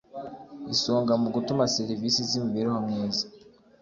isonga mu gutuma serivisi z imibereho myiza